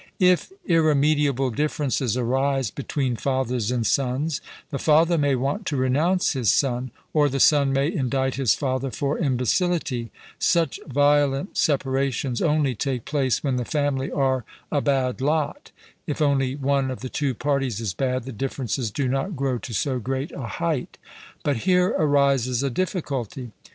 If irremediable differences arise between fathers and sons, the father may want to renounce his son, or the son may indict his father for imbecility: such violent separations only take place when the family are 'a bad lot'; if only one of the two parties is bad, the differences do not grow to so great a height. But here arises a difficulty.